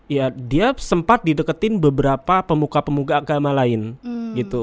ya dia sempat dideketin beberapa pemuka pemuka agama lain gitu